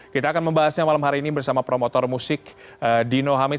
kita akan membahasnya malam hari ini bersama promotor musik dino hamid